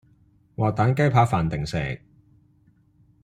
滑蛋雞扒飯定食